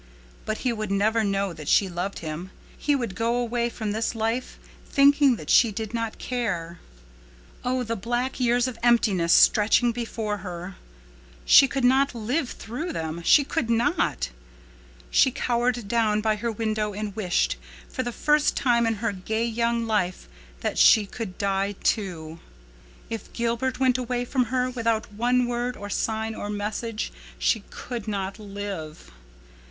But he would never know that she loved him—he would go away from this life thinking that she did not care. Oh, the black years of emptiness stretching before her! She could not live through them—she could not! She cowered down by her window and wished, for the first time in her gay young life, that she could die, too. If Gilbert went away from her, without one word or sign or message, she could not live.